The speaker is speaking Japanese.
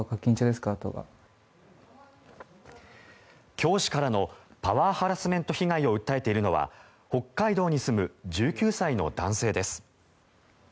教師からのパワーハラスメント被害を訴えているのは北海道に住む１９歳の男性です。